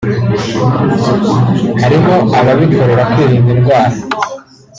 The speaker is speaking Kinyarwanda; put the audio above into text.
harimo ababikorera kwirinda indwara